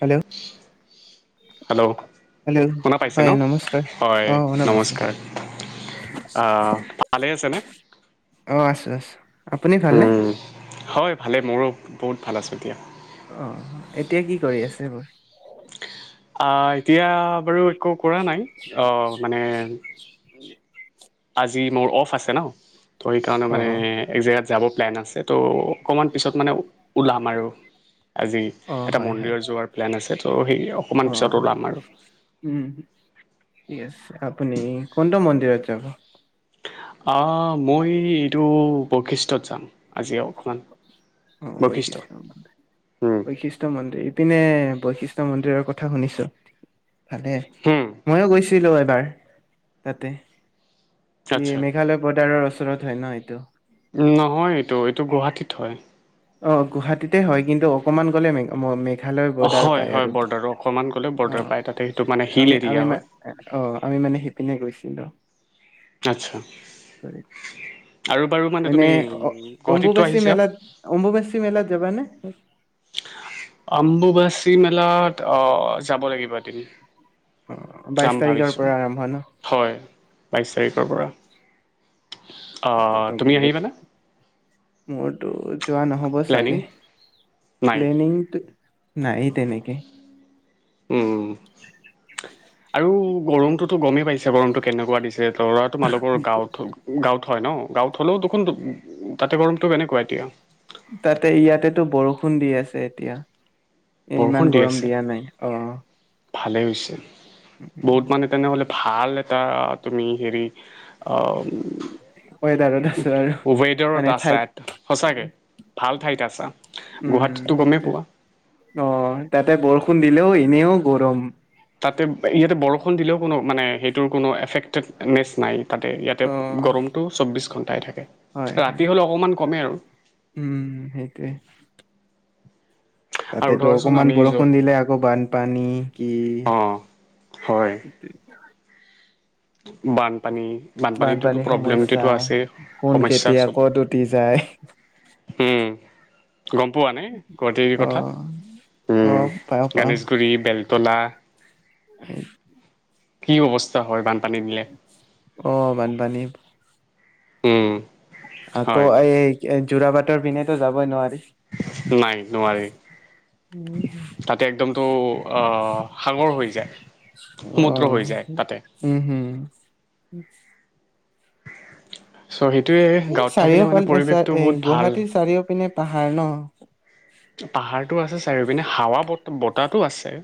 Hello hello hello শুনা পাইছে হয় ন নমস্কাৰ হয় অ শুনা পাইছো নমস্কাৰ আহ ভালেই আছেনে? অ [unintelligible] আপুনি ভালনে? উম হয় ভালে মোৰো বহুত ভাল আছো এতিয়া। অ' এতিয়া কি কৰি আছে বাৰু? অ, এতিয়া বাৰু একো। কৰা নাই অ' মানে। আজি মোৰ অফ আছে ন ত সেইকাৰণে অ মানে অ একে যাব প্লেন আছে ত' অকণমান পিছত মানে ওলাম আৰু আজি অ এটা হয় হয় মন্দিৰত যোৱাৰ প্লেন আছে ত' সেই অকণমান অ পিছত ওলাম আৰু। উম ঠিক আছে আপুনি কোনটো মন্দিৰত যাব। অ মই এইটো বশিষ্ঠত যাম আজিও অ বৈশিষ্টয় মন্দ বৈশিষ্টয় মন্দিৰ ইপিনে বৈশিষ্ট মন্দিৰৰ কথা শুনিছো। ভালে হুম ময়ো গৈছো। এবাৰ তাতে আচ্ছা এ মেঘালয় বদাৰৰ চ ওচৰত হয় ন এইটো উ নহয় এইটো এইটো গুৱাহাটীত হয় অ গুৱাহাটীতে হয় কিন্তু অকমান গ'লে মেঘালয় অ বৰ্ডাৰ হয় পাই হয় আৰু বৰ্ডাৰ অকণমান গ'লে অ বৰ্ডাৰ পায় তাতে সেইটো মানে হিল আমি এৰিয়া আমি হয় অ আমি মানে সিপিনে গৈছিলো অ আচ্ছা আৰু বাৰু মানে এনে তুমি গুৱাহাটীততটো আহিছা। ম বেছি মেলাত যাবা নে অম্বুবাচী মেলাত আহ যাব লাগিব তুমি অ বাইশ তাৰিখৰ পৰা আৰম্ভ ন। হয় বাইছ তাৰিখৰ পৰা ততেতো তুমি বহুত আহিবানে মট যোৱা নহ'ব প্লেনিং চাগে নাই প্লেনিং নাই তেনেকে উম আৰু গৰমটোতো গমেই পাইছে গৰমটো কেনেুৱ দিছে দৰা তোমালোকৰ গাঁৱত গাঁৱত হয় ন গাঁৱত হ'লেও দেখোন তাতে গৰমতটো কেনেকুৱা এতিয়া তাতে ইয়াতেতো বৰষুণ দি আছে এতিয়া এ বৰষুণ ইমান দি গৰম আছে দিয়া নাই অ ভালেই হৈছে বহুত মানে তেনেহ'লে ভাল এটা তুমি হেৰি। উ, [unintelligible] ৱেডাৰত মানে আছা ঠাইত সঁচাকে ভাল ঠাইত আছা গুৱাহাটীততো গমেই পোৱা তাতে বৰষুণ উম, অ ' বৰষুণ দিলেও এনেও গৰম। তাতে ইয়াতে বৰষুণ দিলেও কোনো মানে সেইটোৰ কোনো এফেক্টেডনেছ নাই। তাতে ইয়াতে অ' গৰমটো চৌব্বিছ ঘণ্টা। চাই থাক। হয়- হয় উম সেইটোৱে। আৰু তাতেতো ধৰাচোন অকমান আমি য'ত বৰষুণ দিলে আকৌ বানপানী কি অঁ হয় বানপানী। বানপানীটোতো বানপানীৰ সমস্যা প্ৰব্লেমটোতো আছেই কোন সমস্যা কেতিয়া চব কত উটি যায় উম গম পোৱা নাই গুৱাহাটীৰ অ কথা অ পাওঁ গণেশগুৰি বেল তলা। উ কি অৱস্থা হয় বান। পানিলে অ' বানপানী। উম, আকৌ হয় এই। জোৰাবাটৰ পিনেতো যাবই নোৱাৰি। নাই নোৱাৰি তাতে একদম। তটো সাগৰ হৈ যায়। সমুদ্ৰ আহ হৈ যায় তাতে উম হম শ্বহীদ। এ চাৰিও পাল চ এ ভাল গুৱাহাটীৰ চাৰিও পিনে। পাহাৰ ন। পাহাৰটো আছে চাৰিওপিনে হাৱা ব বতাহটো আছে।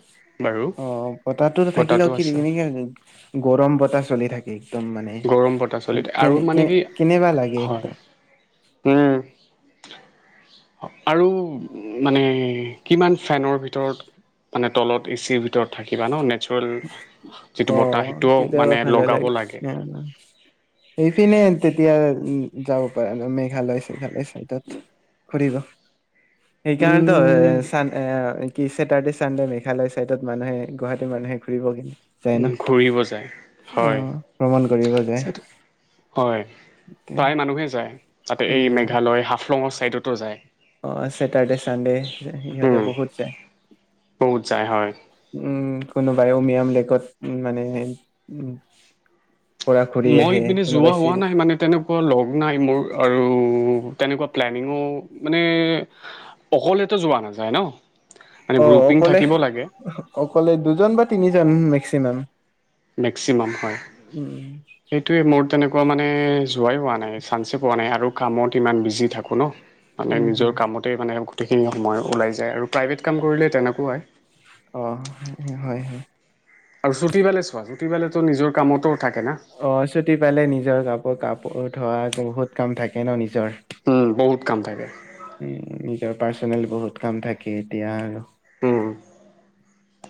বাৰু অ' বতাহটো থাকিলেও কি এনেকে গৰম বতাহ চলি থাকে। একদম মানে গৰম বতাহ চলি থাকে আৰু কে- মানে কে কি কেনেবা লাগে একদম হে আৰু মানে কিমান ফেনৰ ভিতৰত মানে তলত এচিৰ ভিতৰত থাকিবা ন ন। অ 'কেতিয়াবা মানে ভালে লগাব লাগে এইপিনে তেতিয়া উ যাব পাৰে ন মেঘালয় -চেঘালয় স তাত ফুৰিব। উম সেইকাৰণতোন কি ছেটাৰডে চানডে মেঘালয় ছাইডত মানুহে গুৱাহাটী মানুহে ফুৰিব কিন্তু ঘূৰিব যায় হয় ভ্ৰমণ কৰিব যায় হয় তে, প্ৰায় মানুহে যায় তাতে এই উম মেঘালয়াফ ফলঙৰ ছাইডতো যায় অ চছেটাৰ্ডে চানডে ইহঁতে উম বহুত যে বহুত যায় হয় উম কোনোবাই উমিয়াম লেকত মানে উ পৰা ঘূৰি মই আহে পিনে যোৱা কোনোবাই হোৱা চিল নাই মানে তেনেকুৱা লগ নাই মোৰ আৰু তেনেকুৱা প্লেনিঙো মানে অকলেতো যোৱা নাযায় ন মানে অ গ্ৰুপিং অকলে থাকিব লাগে অকলে দুজন বা তিনিজন মেক্সিমাম মেক্সিমাম হয় উম সেইটোৱে মোৰ তেনেকুৱা মানে যোৱাই হোৱা নাই চান্সে পোৱা নাই আৰু কামত ইমান বিজি থাকো ন মানে উম হম নিজৰ কামতে মানে গোটেইখিনি সময় ওলাই যায় আৰু প্ৰাইভেট কাম কৰিলে তেনেকুৱা হয় অ হয় হয় আৰু চুটিবালে চোৱা চুটিবালে নিজৰ কামতো থাকে না অ ছুটি পালে নিজৰ কাপ আকৌ কাপোৰ ধোৱা বহুত কাম থাকে ন নিজৰ উম বহুত কাম থাকে উ নিজৰ পাৰ্চনেল বহুত কাম থাকে এতিয়া আৰু উম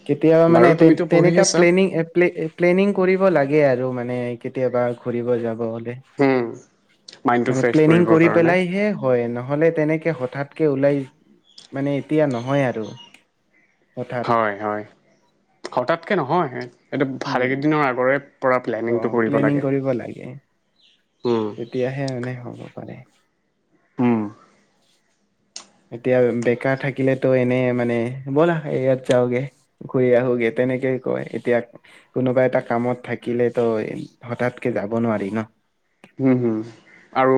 কেতিয়াবা মানে বাৰু তুমিতো পঢ়ি তেনেকা আছা প্লেনি প্লেনিং কৰিব লাগে লাগে আৰু মানে কেতিয়াবা ঘূৰিব যাব উম মাইণ্ডটো মানে ফ্ৰেছ প্লেনিং কৰিবৰ কৰি কাৰণে পেলাইহে হয় ন হ'লেত তেনেকে হঠাৎকে ওলাই মানে এতিয়া নহয় আৰু হঠাৎ হয় হয় হঠাৎকে নহয় এইটো উম ভালেকেইদিনৰ আগৰে পৰা অ প্লেনিংটো কৰিব প্লেনিং লাগে কৰিব লাগে উম তেতিয়াহে মানে হ'ব পাৰে হম এতিয়া বেকাৰ থাকিলেতো এনে মানে ব'লা এ ইয়াত যাওগে ঘুৰি আহোোগে তেনেকেই কয় এতিয়া কোনোবা এটা কামত থাকে থাকিলে তো হঠাৎকে যাব নোৱাৰি ন উম হম আৰু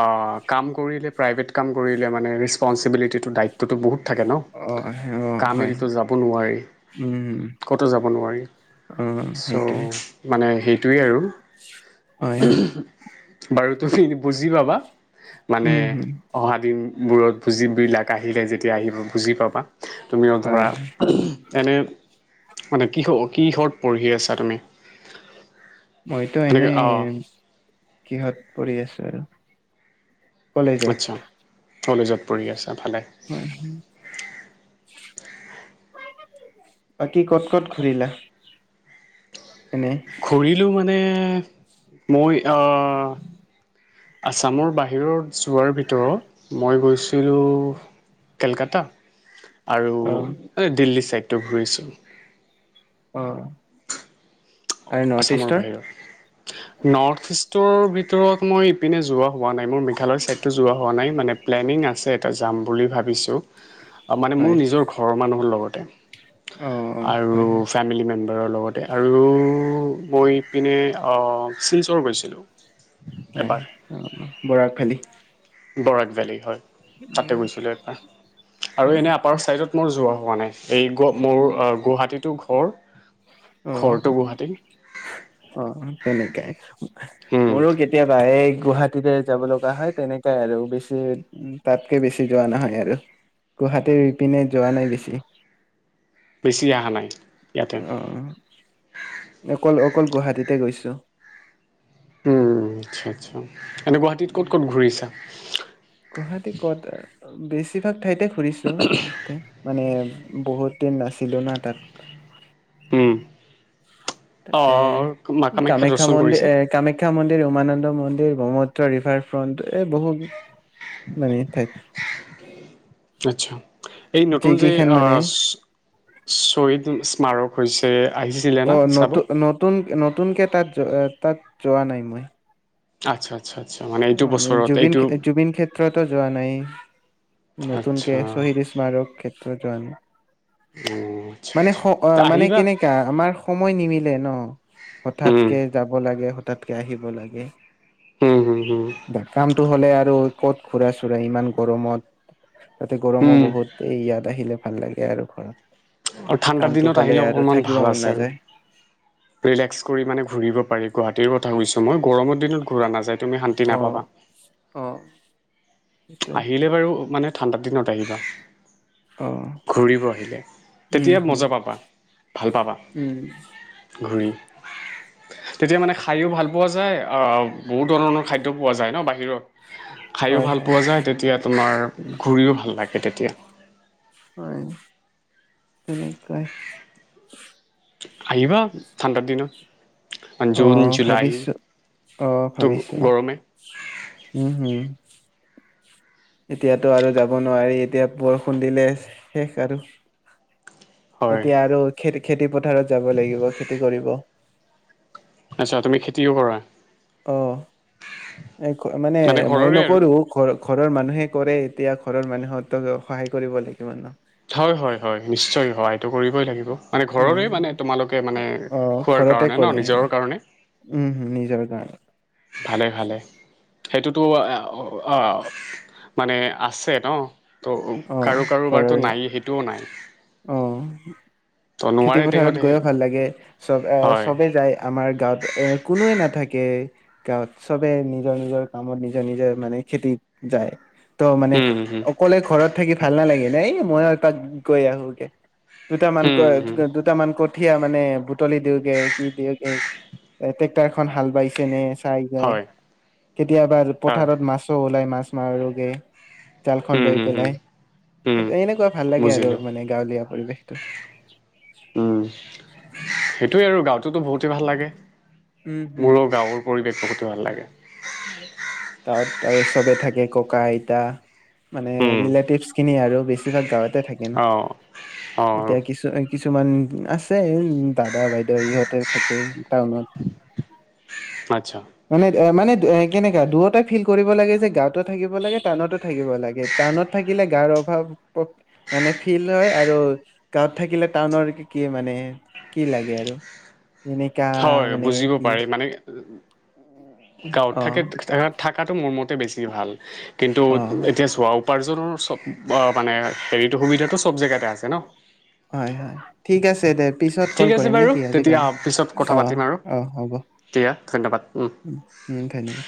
অ কাম কৰিলে প্ৰাইভেট কাম কৰিলে মানে ৰেচপনচিবিলিটিটোৰ দায়িত্বটো বহুত থাকে ন অ অ কাম হয় এৰিতো যাব নোৱাৰি উম ক'তো যাব নোৱাৰি অ সেইটোৱে চ' মানে সেইটোৱেই আৰু উম [unintelligible] বাৰু তুমি বুজি লবা [unintelligible] মানে উম হম অহা দিন বোৰত ভুজিবিলাক আহিলে যেতিয়া আহিব বুজি পাবা [unintelligible] তুমিও হয় ধৰা এনে মানে কিহ কিহৰত পঢ়ি আছা তুমি মইতো এনেকে অঁ এনেই কিহত পৰি আছো আৰু আচ্ছা। কলেজত কলেজত পঢ়ি আছে তফালে হয় বাকী ক'ত ক'ত ঘূৰিলা এনে ঘূৰিলো মানে মই আছামৰ বাহিৰত যোৱাৰ ভিতৰত মই গৈছিলোঁ কেলকাতা আৰু অ দিল্লী চাইড ঘূৰিছোঁ [unintelligible] অ আৰু নৰ্থ আচামাৰ ইষ্টৰ বাহিৰত নৰ্থ ইষ্ট [unintelligible] ষ্টৰ ভিতৰত মই ইপিনে যোৱা হোৱা নাই মোৰ মেঘালয়ৰ চাইডতটোো যোৱা [unintelligible] হোৱা নাই মানে প্লেনিং আছে তাতে যাম বুলি ভাবিছোঁ মানে মোৰ হয় নিজৰ ঘৰৰ মানুহৰ লগত ত অ অ আৰু হয় হয় ফেমিলি মে্ব াৰৰ লগতে আৰু [unintelligible] মইপিনে শিলচৰ গৈছিলোঁ হয় এবাৰ অ বৰাক ভেলি [unintelligible] বৰাক ভেলী হয় তাতে গৈছিলো এবাৰ আৰু উম, এনে আপাৰ চাইডত মোৰ যোৱা হল [unintelligible] হোৱা নাই এই মোৰ গুৱাহাটীটো ঘৰ অ ঘৰটো গুৱাহাটীত অ তেনেকাই উম মোৰো কেতিয়াবাে গুৱাহাটীতে যাব লগা হয় তেনেকাই আৰু বেছি তাতকে বেছি যোৱা নহয় আৰু গুৱাহাটীপিনে যোৱা নাই বেছি। বেছি এা হ নাই। ইয়াতে অ কল অকল গুৱাহাটীতে গৈছোঁ। উম আচ্ছা আচ্ছা এনে গুৱাহাটীত ক'ত ক'ত ঘূৰিছা। গুৱাহাটী কত বেছিভাগ ঠাইতে ফুৰিছো তেতে মানে বহুত দিন নাছিলো না তাত উম! তাতে অ' মা কামাখ্যা দৰ্শন মন্দিৰ কৰিছে এ কামাখ্যা মন্দিৰ উমানন্দ মন্দিৰ। ব্ৰহ্মত্ৰ ৰিভাৰ ফ্ৰণ্ট এই বহুত মানে ঠাইত আচ্ছা এই নতুন যে যিকেইখন মানে আহ শহীদ স্মাৰক হৈছে। আহিছিলে অ না চাব নতুন নতুন নতুনকে তাত তাত যোৱা নাই মই আচ্ছা আচ্চা! জুব জুবিন ক্ষেত্ৰতো যোৱা নাই আচ্ছা নতুনকে শ্বহীদ স্মাৰক ক্ষেত্ৰত যোৱা নাই অ' আচ্ছা মানে আচ্ছা মানে আহিবা কেনেককা আমাৰ সময়। মই নিমিলে ন উম হঠাৎকে যাব লাগে। তাতকে আহিব লাগে। হুম হুম হুম কামতটো হ'লে আৰু ক'ত ঘুৰা চুৰা ইমান গৰমত! তাতে গৰমো উম বহুত ইয়াত আহিলে। ভাল লাগে আৰু ঘৰত আৰু ঠাণ্ডাৰ কামটো দিনত হলে আহিলে আৰু অকমান থাকিব ভাল মন আছে আৰু নাযায় ৰিলেক্স কৰি মানে ঘূৰিব পাৰি গুৱাহাটীৰ কছো মই গৰমৰিনতূৰা নাযায়। তুমি শান্তি অ নাপাবা। অ সেইটোৱে আহিলে বাৰু মানে ঠাণ্ডা দিনত আহিবা। অ ঘূৰিব আহিলে উম তেতিয়া হম মজা পাবা ভাল পাবা উম ঘূৰি তেতিয়া মানে খায়ো ভাল পোৱা যায় বহুত ধৰণৰ ধৰণৰ খাদ্য পোৱা যায় ন বাহিৰত খাইো হয় ভাল হয় পোৱা যায় তেতিয়া তোমাৰ ঘূৰিও ভাল লাগে তেতিয়া হয় তেনেকুৱাই আহহিবা ঠাণ্ডা দিনত জুন আহ ভাবিছো জুলাইতো আহ ভাবিছো গৰমে উম হম এতিয়াতো আৰু যাব নোৱাৰি এতিয়া বৰষুণ দিলে শেষ আৰু হয় এতিয়া আৰু খে খেতি পথাৰত যাব লাগিব খেতি কৰিব আচ্ছা তুমি খেতিও কৰা অ এ মানে মই ঘৰৰে আৰু নকৰো ঘ ঘৰৰ মানুহে কৰে এতিয়া ঘৰৰ মানুহতক সহায় কৰিব লাগিব মান হয় হয় হয় নিশ্চয় হয় ই লাগিব মানে ঘৰৰে মানে উম তোমালোকে মানে অ খোৱাৰ ঘৰতে কাৰণে ন কৰে নিজৰ কাৰণে উম হম নিজৰ কাৰণে ভালে ভালে সেইটোতো মানে আছে ন ত' কাৰো কাৰোবাৰতো নাই সেইটোও নাই আহ ত' খেতি নোৱাৰে পথাৰত তেহঁতে গৈও ভাল লাগে চব আহ হয় চবে যায় আমাৰ গাঁৱত এ কোনোৱে নাথাকে গাঁৱত সবে নিজৰ নিজৰ কামত নিজৰ নিজে মানে খেতিত যায় ত মানে উম হম অকলে ঘৰত থাকি ভাল নালাগে নাই মই এপাক কৈ আহো অকে দুট মান ক উম হম দুট মান ক কঠিয় মানে বুটলি দিওঁগে কি দিওঁগে ট্ৰেক্টাৰ খন হাল বাইছে নে চাই যায় হয় কেতিয়াবা হয় পথাৰত মাছো ওলাই মাছ আস্মাৰ ৰোগে জাল খ উম লৈ হম হম পেলাই উম এনেকুৱা ভাল লাগে আৰু বুজিলো মানে পৰিৱেশটো উম সেইটো সেইয়ে আৰু গাঁৱতোতো বহুতেই ভাল লাগে উম হম মোৰৰ গাঁৱৰ পৰিৱেশ বহুতো ভাল লাগে গাঁৱত আৰু চবে থাকে ককা আইতা মানে উম ৰিলেটিভচ খিনি আৰু বেছিভাগ গাঁৱতে থাকে ন অ অ এতিয়া কিছু কিছুমান আছে দাদা বাইদেউ ইহঁতে থাকে টাউনত। আচ্ছা। মানে মানে কেনেকা দুয়োটাই ফিল কৰিব লাগে যে গাঁৱতো থাকিব লাগ টাউনতো থাকিব লাগে টাউনত থাকিলে গাঁৱৰ অভাৱ মানে ফিল হয় আৰু গাঁৱত থাকিলে টাউনৰ কি মানে কি লাগে। আৰু এনেকা হয় মানে বুজিব কি পাৰি মানে গাঁৱত অ থাকে, থাকাটো মোৰ মত বেছি ভাল। কিন্তু, অ এতিয়া চোৱা উপাৰ্জনৰ চব মানে, হেৰিতটো সুবিধাটো চব জেগাতে আছে ন'। হয়, হয়, ঠিক আছে দে। পিছত ক'ল ঠিক আছে কৰিম বাৰু নেকি, আজি তেতিয়া কাৰণে পিছত কথা অ', পাতিম আৰু অ', উম, হ'ব দিয়া ধন্যবাদ উম ধন্যবাদ।